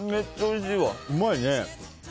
うまいね。